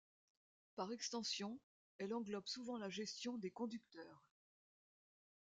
Par extension, elle englobe souvent la gestion des conducteurs.